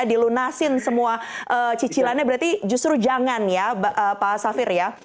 dilunasin semua cicilannya berarti justru jangan ya pak safir ya